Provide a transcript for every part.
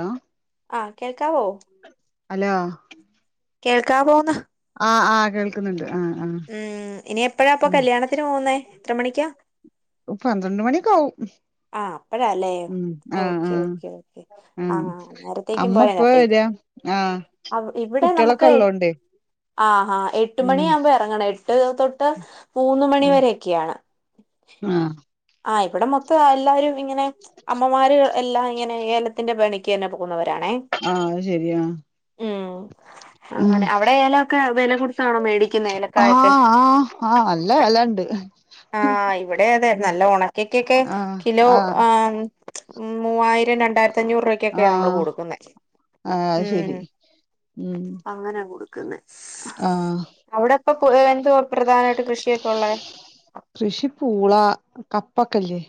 Law ആഹ് കേൾക്കാവോ hello കേൾക്കാവോന്ന് ആഹ് ആഹ് കേൾക്കുന്നുണ്ട് ആഹ് ആഹ് ഉം ഇനി എപ്പഴാ അപ്പൊ ഉം കല്യാണത്തിന് പോകുന്നേ എത്ര മണിക്കാ പന്ത്രണ്ട് മണി ഒക്കെ ആവും ആഹ് അപ്പഴ അല്ലേ ഉം ആഹ് ഓക്കേ ആഹ് ഓക്കേ ഓക്കേ ആഹ് നേരത്തേക്കും അമ്മ പോയ ഇപ്പ അപ്പ ഇത് വരാ ആഹ് ആ ഇവിടെ കുട്ടികളൊക്കെ നമക്ക് ഉള്ളോണ്ടേ ആഹാ എട്ട് മണി ഉം ആവുമ്പോ എറങ്ങണം എട്ട് തൊട്ട് മൂന്ന് മണി ഉം വരൊക്കെയാണ് ആഹ് ആഹ് ഇവിടെ മൊത്തം എല്ലാവരും ഇങ്ങനെ അമ്മമാര് എല്ലാം ഇങ്ങനെ ഏലത്തിന്റെ പണിക്ക് തന്നെ പോവുന്നവരാണെ ആ അഹ് ശരിയാ ഉം ഉം അങ്ങനെ അവിടെ ഏലൊക്കെ വില കൊടുത്താണോ മേടിക്കുന്ന ഏലക്കായി ഒക്കെ ആഹ് ആഹ് ആഹ് നല്ല വെലണ്ട് ആഹ് ഇവിടെ അതെ നല്ല ഉണക്കക്കെ ഒക്കെ ആഹ് കിലോ ആഹ് ആഹ് ആ മൂവായിരം രണ്ടായിരത്തി അഞ്ഞൂറ് ക്കെക്കെ നമ്മള് കൊടുക്കുന്ന ആഹ് അത് ഉം ശരി ഉം അങ്ങനാ കൊടുക്കുന്നേ ആഹ് അവിടെ ഇപ്പൊ എന്തോ പ്രധാനായിട്ട് കൃഷിയൊക്കെ ഉള്ളേ കൃഷി പൂള കപ്പൊക്കെല്ലേ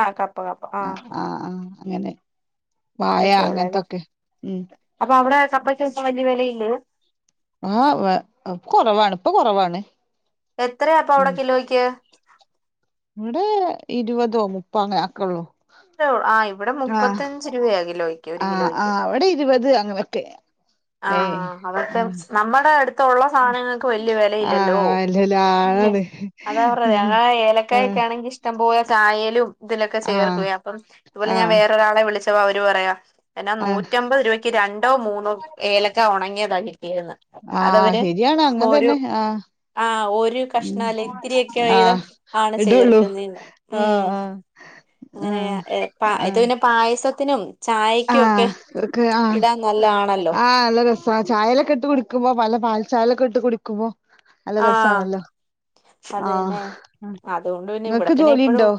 ആഹ് കപ്പ കപ്പ ആഹ് ആഹ് അങ്ങനെ വായ അത്തൊക്കെ ഉള്ളല്ലോ അങ്ങനത്തൊക്കെ ഉം അപ്പൊ അവിടെ കപ്പച്ച വലിയ വിലയിലേ ആ കുറവാണ് ഇപ്പം കുറവാണ് എത്രയാപ്പോ അവിടെ കിലോയ്ക്ക് ഇവിടെ ഇരുപതോ മുപ്പ അങ്ങ് ഒക്കെ ഉള്ളു ആ ഇവിടെ മുപ്പത്തഞ്ച് രൂപയാ കിലോയി ആഹ് ആഹ് ഇവിടെ ഇരുപത് അങ്ങനൊക്കെ ഏഹ് ആഹ് അവർക്ക് ആഹ് നമ്മടെ അടുത്തുള്ള സാനങ്ങൾക്ക് വലിയ വിലയില്ലല്ലോ ആഹ് അല്ലല്ല ആളാണ് അതാ പറഞ്ഞത് ഞങ്ങളെ ഏലക്കായൊക്കെ ആഹ് ആണെങ്കി ഇഷ് ഇഷ്ടം പോലെ ചായേലും ഇതിലൊക്കെ ആഹ് ചേർക്കുലേ അപ്പം ഇതുപോലെ ഞാൻ ആഹ് വേറെ ഒരാളെ വിളിച്ചപ്പോ അവര് പറയാ എന്നാ ആഹ് നൂറ്റമ്പത് രൂപയ്ക്ക് രണ്ടോ മൂന്നോ ഏലക്ക ഉണങ്ങിയതാ കിട്ടിയിരുന്ന ആഹ് ശരിയാണ് അങ്ങതന്നെ ആഹ് ആഹ് ഓര് ഉം കഷ്ണല്ല ഇത്തിരിയൊക്കെ വീതം ആഹ് ആണ് ഇടുള്ളൂ ചേർക്കുന്നത് ഉം ആഹ് ആഹ് ആഹ് അങ്ങനെയ ഇത് ആഹ് പിന്നെ പായസത്തിനും ചായക്കും ഒക്കെ ആഹ് ഇവർക്ക് ആഹ് ഇടാൻ നല്ലതാണല്ലോ ആഹ് നല്ലൊരു ചായലൊക്കെ ഇട്ട് കുടിക്കുമ്പോ പല പാൽ ചായലൊക്കെ ഇട്ട് കുടിക്കുമ്പോ നല്ല രസാണല്ലോ ആഹ് അതെന്നെ അതുകൊണ്ട് പിന്നെ ഇവിടെ ഇങ്ങക്ക് പിന്നെ എപ്പഴും ജോലിണ്ടോ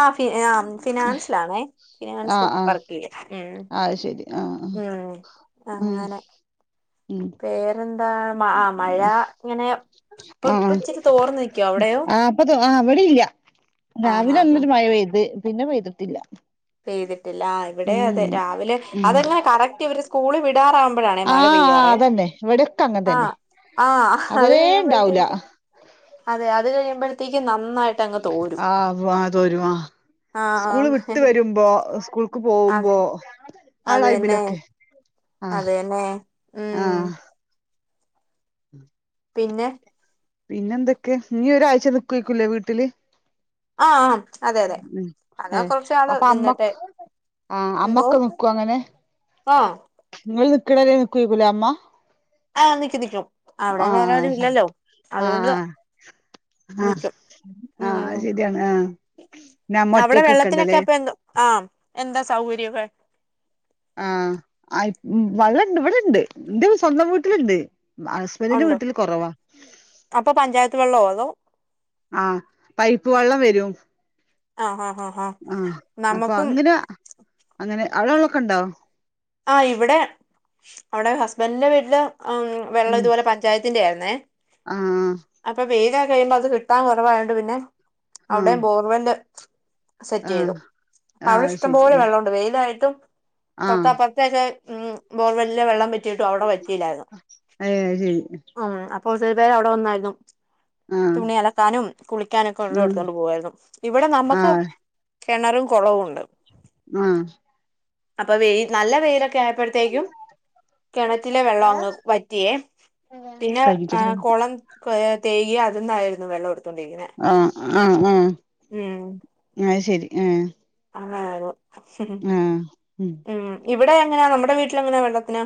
ആ ഫി ആ ഫിനാൻസലാണേ ഫിനാൻസ് ആഹ് ആഹ് വർ ക്കില് ഉം അത് ശരി ആഹ് ആഹ് ഉം ഉം അങ്ങനെ ഉം എന്താ മാ മഴ ഇങ്ങനെ ഇപ്പൊ ഇപ്പ ഇച്ചിരി തോർന്ന് നിക്കാ അവിടെയോ ഇപ്പതോ ആ ഇവിടെ ഇല്ല ആ ആ രാവിലെ ആ നല്ലൊരു മഴ പെയ്ത് പിന്നെ പെയ്തിട്ടില്ല പെയ്തിട്ടില്ല ആ ഇവിടെ ഉം അതെ രാവിലെ ഉം അതെ എങ്ങനെ കറക്റ്റ് ഇവര് സ്കൂള് വിടാറാവു മഴ ആഹ് ആഹ് പെയ്യാറ് അതന്നെ ഇവിടെക്കെ അങ്ങനെ തന്നെ ആഹ് ആഹ് അത് അതരേ ഉണ്ടാവൂല കഴിയുമ്പഴ്ത്തേക്ക് അതെ അത് കഴിയുമ്പോഴത്തേക്കും നന്നായിട്ട് അങ്ങ് തോരും ആഹ് വാതോരുവാ ആ ആ സ്കൂള് വിട്ട് വരുമ്പോ സ്കൂള് ക്പോകുമ്പോ അത് അതന്നെ ആട്ടൈമിലൊക്കെ? അതന്നെ ഉം ആഹ് പിന്നെ പിന്നെ എന്തൊക്കെ നീ ഒരാഴ്ച നിക്കുവക്കൂലല്ലേ വീട്ടില് - ആ ആ അതെ അതെ ഉ അങ്ങനെ കൊറച്ചാള് അപ്പൊ നിന്നിട്ടെ അമ്മക്ക് ആഹ് എന്തോ അമ്മൊക്കെ നിക്കോ അങ്ങനെ ആഹ് ഇങ്ങള് നിക്കണത്‌ വരെനിക്കുയ്ല്ലേഅമ്മ ആഹ് നിക്കും നിക്കും അവിടെ വേറാരും ആഹ് ഇല്ലല്ലോ അതുകൊണ്ട് ആഹ് ആഹ് നിക്കും ആഹ് ഉം അയ്ശരിയാണ് ആഹ് പിന്നെ അമ്മ അവിടെ ഒറ്റക്കൊക്കെ വെള്ളത്തിനൊക്കെ ഉണ്ടല്ലേ അപ്പഴെന്തോ ആ എന്താ സൗകര്യക്കെ ആഹ് ആയ് വള്ളണ്ട് വിടെണ്ട് ന്റെ സ്വന്തം വീട്ടില്ണ്ട് ബ ഹസ്ബന്റിന്റെ ഒണ്ടോ വീട്ടിൽ കൊറവാ. അപ്പൊ പഞ്ചായത്ത് വെള്ളൊ അതോ? ആഹ് പൈപ്പ് വെള്ളം വരും ആഹ് ആഹ് ആഹ് ആഹ് അപ്പൊ അങ്ങ്ന അങ്ങനെ അവടെ വള്ളൊക്ക ണ്ടോ? ആ് ഇവിടെ അവിടെ ഹസ്ബൻറിന്റെ വീട്ടില് അം വെള്ളം ഉം ഇതുപോലെ പഞ്ചായത്തിന്റെ ആയിരുന്നേ. ആഹ് അപ്പൊ [unintelligible] അത് കിട്ടാൻ കൊറവായോണ്ട് പിന്നെ ആഹ് അവിടെം ബോർവെല്ല് സെറ്റ്യ്തു ആഹ് ആഹ് അത് ശരി പ്പവിടെഷ്ടംപോലെ വെള്ളണ്ട് വെയിലായിട്ടും ആഹ് തൊട്ടപ്പ [unintelligible] ഉ ബോർവെല്ലെ വെള്ളം വറ്റിയിട്ടും അവിടെ വറ്റീല്ലായിരുന്നു. ഏഹ് അത് ശരി ഉം അപ്പോ ഒത്തിരിപേരവിടെ വന്നായിരുന്നു ആഹ് തുണി അലക്കാനും കുളിക്കാനൊക്ക ആഹ് വെള്ളംഎടുത്തോണ്ട് പോവായിരുന്നു. ഇവിടെ നമ്മക്ക് ആഹ് കെണറും കൊളവുണ്ട്. ഉം അപ്പൊ വെയി നല്ല വെയിലൊക്കെ ആയപ്പൾ ത്തേക്കും കെണറ്റിലെ വെള്ളം അങ്ങ് വറ്റിയേ പിന്നെ എ കഴിഞ്ഞിട്ടത് കഴിഞ്ഞിട്ട് കൊളം കൊയ തേകിയാ അതിന്നായിരുന്നു വെള്ളൊട് ആഹ് ആഹ് ആഹ് ഉം അയ്ശരി ഏഹ് [unintelligible] ഉം ഇവിടെ എങ്ങനാ നമ്മുടെ വീട്ടിലെങ്ങനാ വെള്ളത്തിന്?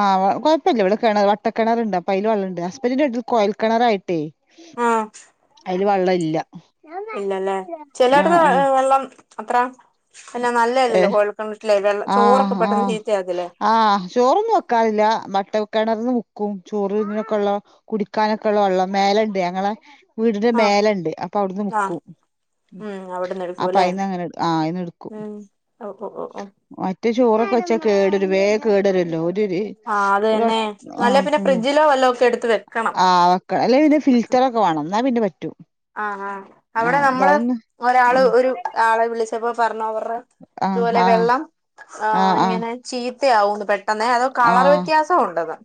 ആഹ് വ കൊയപ്പല്ല വിടെ കെണർ വട്ടക്കെണറ്ണ്ട് അപ്പയില് വെള്ളണ്ട് ഹസ്ബന്റിന്റെ വീട്ടില് കൊയൽ കെണറായിട്ടേ ആഹ് അയില് വള്ളല്ല ഇല്ലല്ലേ ചെലേടത്ത് വെ വെള്ളം അത്ര തന്നെ നല്ല ഏ അല്ലല്ലോ കൊയൽ ക്കെണറ്റിലെ വെള്ളം ചോറൊക്കെ ആഹ് പെട്ടെന്ന് ആഹ് ചീത്തയാകത്തില്ലേ? ആഹ് ചോറൊന്നും വെക്കാറില്ല വട്ട കെണർന്ന് മുക്കും ചോറ് ത്‌നൊക്കെള്ളാ കുടിക്കാനൊക്കള്ള വെള്ളം മേലണ്ട് ഞങ്ങളെ വീടിന്റെ ആഹ് മേലണ്ട് അപ്പവിടുന്ന് ആഹ് മുക്കും ഉം അവിടുന്ന് എടുക്കൂല്ലേ അപ്പയിന്നങ്ങനെ എട് ആഹ് അയിന്നെട് ഉം ഓ ഓ ഓ ഓഹ് മറ്റ് ചോറൊക്കെ വെച്ചാ കേടരു വേം കേടരുല്ലോ ഒരുര് ആഹ് അത് [inaudible] തന്നെ അല്ല ആഹ് പിന്നെ ഉം ഫ്രിഡ്ജിലോ വല്ലോം ഒക്കെ എടുത്ത് വെക്കണം ആ ഒക്ക അല്ലെ പിന്ന ഫിൽറ്ററൊ ക്ക വാണം ന്നാ പിന്നെ പറ്റും ആഹ് ആഹ് അവിടെ ആഹ് നമ്മള് ഇതൊന്ന് ഒരാള് ഒരു ആളെ വിളിച്ചപ്പോ പറഞ്ഞവർ ർ ആഹ് തുപോലെ ആഹ് വെള്ളം അ ആഹ് ആഹ് ഇങ്ങനെ ചീത്തയാവുന്ന് പെട് ട്ടെന്നെ അതൊ ആഹ് കളറ് ആഹ് വ്യത്യാസം ഉണ്ടെന്ന്‌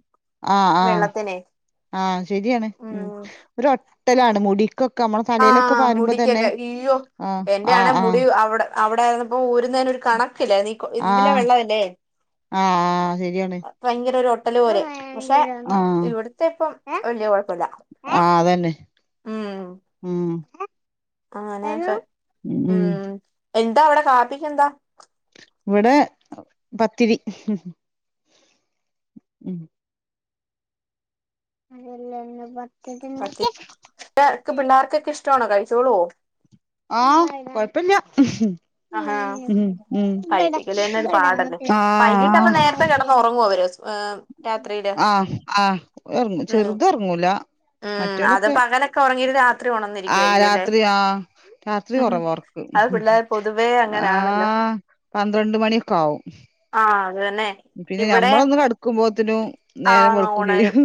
ആഹ് ആഹ് വെള്ളത്തിനെ ആഹ് ശരിയാണ് ഉം ഒരൊട്ടലാണ് മുടി ക്കൊക്കമ്മളത ആഹ് മുടിക്കൊക്കെ ഇയ്യോ ആഹ് എന്റെ ആഹ് ആണേ ആഹ് മുടി അവിടെ അവിടായിരുന്നപ്പോ ഊരുന്നേനൊരു കണക്ക്ല്ലാരുന്നു ഈ കൊ ഇതിലെ ആഹ് വെള്ളവല്ലേ ആഹ് ശരിയാണ് ഭയങ്കരൊരട്ടല് പോലെ പക്ഷെ ആഹ് ഇവിടത്തെ പ്പം വല്ല്യ കൊഴപ്പല്ല ആഹ് അതെന്നെ ഊം ആഹ് ആഹ് [unintelligible] ഉം എന്താ അവിടെ കാപ്പിക്കെന്താ? ഇവടെ പത്തിരി ഉം. അതെന്താ ഇന്ന് പത്തിരി ഇണ്ടാക്ക്യെ. ക്ക് പിള്ളേർക്കൊക്കെ ഇഷ്ട്ടാണോ കഴിച്ചോളോ. ആഹ് കൊഴപ്പല്ല്യ. ആഹാ ഉം. ഉം. കഴിപ്പിക്കല് തന്നെ ഒരു ആഹ്. ആഹ്. ഒവരസ് ഏം. ആഹ്. ആഹ്. റ്ങ്ങ് ഉം ചെർത് ഒറ്ങ്ങൂല. ഉം അത് മറ്റോലൊക്കെ പകലൊക്കെ ഉറങ്ങിട്ട് രാത്രി ആ ഉണർന്നിരിക്കുവായിരിക്കും അല്ലേ രാത്രി ആഹ്. രാത്രി കൊറവാ ഒർക്ക്. അത് പിള്ളേർ പൊതുവേ അങ്ങനാണല്ലോ ആഹ് പന്ത്രണ്ട് മണി ഒക്കാവും. ആഹ് അത് തന്നെ. ഇവടെ കടക്കുമ്പോത്തിനും ആ നേരം വെളുക്കും ഒണരും. ചെയ്യും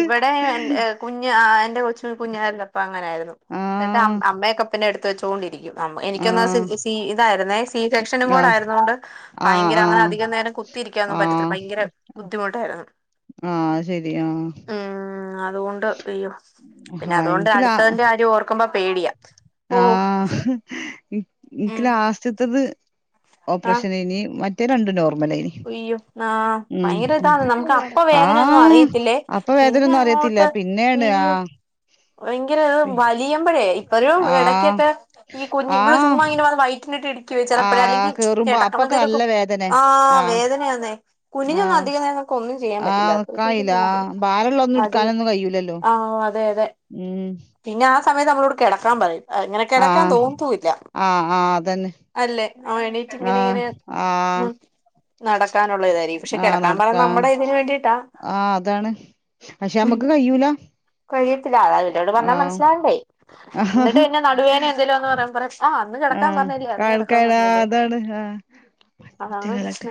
ഇവടെ എൻ കുഞ്ഞ് അഹ് എന്റെ കൊച്ച് കുഞ്ഞായിരുന്നപ്പൊ അങ്ങനായിരുന്നു. ഇന്നട്ട് അം ആഹ് അമ്മയൊക്കെ പിന്നെ എട് ച്ചോണ്ടിരിക്കും അം എനിക്കന്നാ ആഹ് സി സി ഇതായിര്ന്നേ. സി സെക്ഷനും ആഹ് കൂടായിരുന്നതോണ്ട് ആഹ് ഭയങ്കെര അങ്ങനെ ആഹ് അധികന്നേരം കുത്തിരിക്കാന്നും പറ്റത്തില്ല. ആഹ് പയങ്കര ബുദ്ധിമുട്ടായിരുന്ന്. ആഹ് ശരി ആഹ് ഉം അതുകൊണ്ട് ഇയ്യോ. പിന്നെ ആഹ് അതുകൊണ്ട് ഇൻക്ക് ലാ അടുത്തതിന്റെ കാര്യോർക്കുമ്പ പേട്യാ. ആഹ് ഇ ഇൻക് ഉം ലാസ്റ്റ്ത്തത്. ആഹ് ഓപ്പ്രഷനേനി. മറ്റെ രണ്ടും നോർമലേനി. ഉയ്യോ ആ ഉം ഭയങ്കര ഉം. ഇതാണ് നമുക്ക് അപ്പ വേദനയൊന്നും ആഹ് അറിയത്തില്ലേ അപ്പൊ പിന്നെ വേദനൊന്നും അറിയത്തില്ല. അങ്ങോട്ട് പിന്നേണ് ഉയ്യോ ആഹ്. ഭയങ്കര ആ വലിയമ്പയെ. ഒരു ആഹ് എടക്കെക്കെ ഈ കുഞ്ഞി ഇവള് ചുമ്മാ ആഹ് ഇങ്ങനെ വയ് വയ്റ്റിനിട്ട് ഇടി ചെലപ്പഴെ അല്ലെങ്കി ആഹ് കേറുമ്പോ അപ്പൊക്കെ നല്ല കെടക്കുമ്പന്തെലൊക്കെ വേദനെ ആ ആഹ് വേദനയാന്നെ. കുഞ്ഞിനൊന്നും ആഹ് അധികന്നേരങ്ങ് ഒന്നും ചെയ്യാപറ്റില്ല. ആഹ് അപേതേച്ച് നിക്കായില്ല നടു ആഹ് ഭാരള്ളൊന്നും അത് ഇട്ക്കാനൊന്നും കയ്യൂലല്ലോ ആഹ് അതെ. അതെ. ഉം. പിന്നെ ആ സമയത്ത് അമ്മളോട് കെടക്കാൻ പറയും. എ ഇങ്ങനെ കെടക്കാൻ ആഹ് തോന്നത്തൂല്ല. ആഹ് ആഹ് അതന്നെ അല്ലെ. ആ എണീറ്റ് ആഹ് ഇങ്ങനെങ്ങനെ ആഹ് നടക്കാനുള്ളതായി. ടി ക്ഷെ ആഹ് കെടക്കാപറയുന്നത് നടക്കാ നമ്മടെ ഇതിന് വേണ്ടീട്ടാ. ആഹ് അതാണ് പക്ഷെ നമ്മക്ക് കയ്യൂല കയ്യത്തില്ല ആളാ ടെ പറഞ്ഞാ ആഹ് മനസ്സിലാവണ്ടെ. ഇന്നട്ട് പിന്നെ നടുവേദന എന്തേല്വ ന്ന് പറയുമ്പ പറിം. ആ അന്ന് കെടക്കാൻ പറഞ്ഞില്ലേ. അന്ന് കിടക്കാൻ അൻക്കാണാ പറഞ്ഞില്ലേ അതാണ് ആഹ്. അതാണ് പ്രശ് ഒറ്റകാലാട്ട്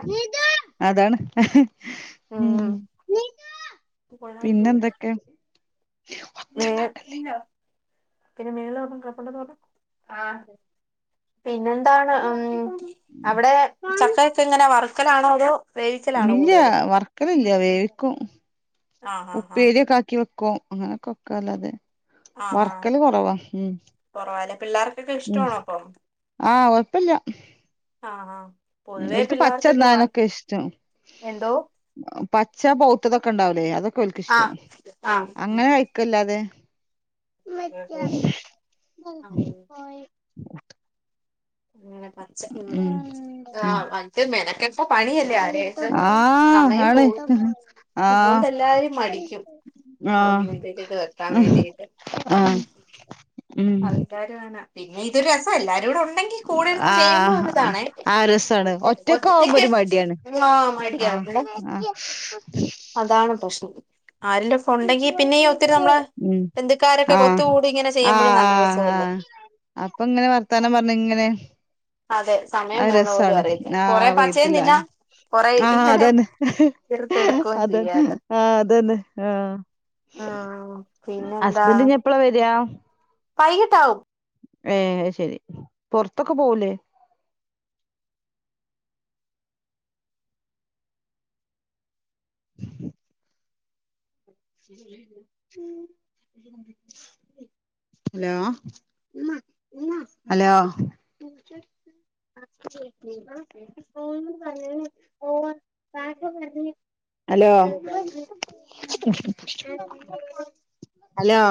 അതാണ് ഉം. കൊ [unintelligible] യോ പിന്നെന്തൊക്കെ ഏഹ് പിന്നെ മേള്ലൊന്ന് കടപ്പുണ്ടെന്ന് പറഞ്ഞു ആഹ് പിന്നെന്താണ് അം. അവ്ടെ ചക്കക്കൊങ്ങനെ വറുക്കലാണോ അതോ? വേവിക്കലാണോ ഇല്ല്യ. കൂടുതലും വറ്ക്കലില്ല വേവിക്കും. ആഹ് ആഹ് ആഹ് ഉപ്പേര്യാെക്കാക്കി വെക്ക് ക്കും. അങ്ങനെ ഒക്കെ വെക്ക അല്ലാതെ വർക്കല് കൊറവാ ഉം. കൊറവാലെ. പിള്ളാർക്കൊക്കെ ഉം ഇഷ്ട്ടാണൊ അപ്പം. ആഹ് ആഹ് ആഹ്. ഉം പൊതുവേ ഓൽക്ക് പച്ച പിള്ളേർക്കൊക്കെ വറു തിന്നാനൊക്കെ ഇഷ്ടം. എന്തോ പച്ച പൊഹ്തതൊക്കെ ഇണ്ടാവുലെ അതൊക്കെ ഓൽക്കിഷ്ടം ആഹ് അങ്ങനെ ആഹ് കയ് ക്കല്ലാതെ. ഉം അങ്ങനെ പച്ച ഉം [unintelligible] ഉം ആഹ് [unintelligible] മെനക്കെ ഇപ്പൊ പണിയല്ലേ ആരായിട്ടും ആഹ് സമയം ആണ് പൂവണ്ട് അതു ആഹ് കൊണ്ട് എല്ലാരും മടിക്കും. ആഹ് [unintelligible] വെക്കാൻ വേണ്ടിട്ട്- ആഹ് ഉം. ആൾക്കാര് പിന്നെ ഇതൊരു രസാ എല്ലാരുടെ ഒണ്ടെങ്കി കൂടെഇരുന്ന് ചെയ്യുമ്പോ ആഹ് അത് ഇതാണെ ആ രസാണ് ആവുമ്പോ ഒറ്റക്ക് ഒരു മടിയാണ് ആഹ് മടിയ ആഹ് ഇവടെ അതാണ് പ്രശ്നം ആരുന്റെ ഒണ്ടെങ്കി പിന്നെ ഈ ഒത്തിരി നമ്മള് ഉം ബന്ധുക്കാരൊക്കെ ആഹ് ഒത്തുകൂടി ഇങ്ങനെ ചെയ്യുമ്പോഴും നല്ല രസവല്ലേ- അപ്പ ഇങ്ങനെ വർത്താനം പറഞ്ഞു ഇങ്ങനെ അതെ സമയം അത് പോണ പോലും രസാണ് അറിയില്ല ആഹ് കൊറെേ പച്ചയും തിന്നാം. അറിയത്തില്ലാന്ന് കൊറേ ആഹ് ഇങ്ങനെ അതന്നെ തീർത്തെടുക്കുകയും അതന്നെ ചെയ്യാലോ ആഹ് അതന്നെ ആഹ്. ആഹ് പിന്നെ എന്താ? ഹസ്ബൻഡ് ഇനി എപ്പളാ വരാ? വൈകിട്ടാവും. ഏഹ് ശരി പൊറത്തൊക്കെ പോവുല്ലേ? [inaudible] [unintelligible] Hello hello. [unintelligible] [unintelligible] Hello. Hello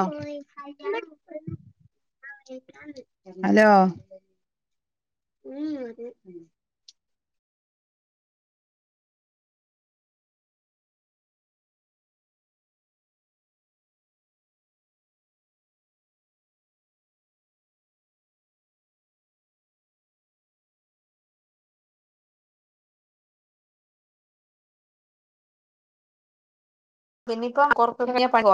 hello ഉം ഉം പിന്നിപ്പം പൊറത്ത്റങ്ങിയാ പണിയ